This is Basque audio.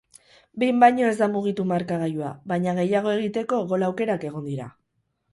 Behin baino ez da mugitu markagailua, baina gehiago egiteko gol-aukerak egon dira.